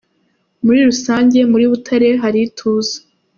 Muri rusange muri Butare hari ituze.